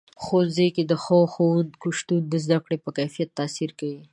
ښوونځي کې د ښه ښوونکو شتون د زده کړې په کیفیت تاثیر کوي.